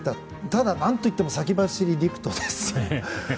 ただ、何といっても先走り陸斗です。